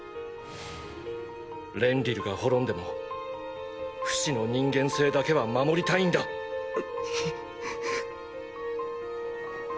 レンリルが滅んでもフシの人間性だけは守りたいんだ。っ！